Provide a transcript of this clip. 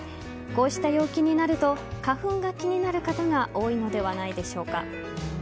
こうした陽気になると花粉が気になる方が多いのではないでしょうか。